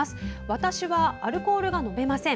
私は、アルコールが飲めません。